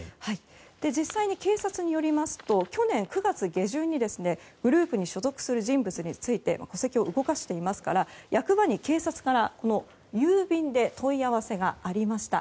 実際に警察によりますと去年９月下旬にグループに所属する人物について戸籍を動かしていますから役場に警察から郵便で問い合わせがありました。